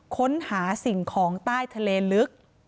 ค้นหาสิ่งของใต้ทะเลลึก